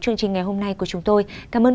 chương trình ngày hôm nay của chúng tôi cảm ơn